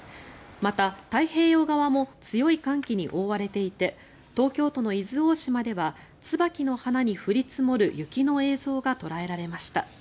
また、太平洋側も強い寒気に覆われていて東京都の伊豆大島ではツバキの花に降り積もる雪の映像が捉えられました。